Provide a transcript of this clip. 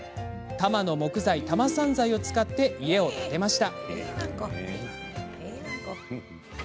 多摩の木材・多摩産材を使って家を建てました。